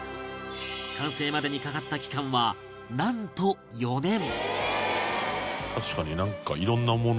完成までにかかった期間はなんと４年